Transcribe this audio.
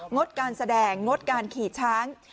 ดการแสดงงดการขี่ช้าง